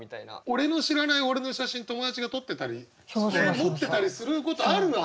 俺の知らない俺の写真友達が撮ってたり持ってたりすることあるわ。